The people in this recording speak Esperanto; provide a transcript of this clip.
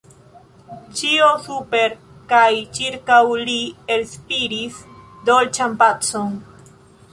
Ĉio super kaj ĉirkaŭ li elspiris dolĉan pacon.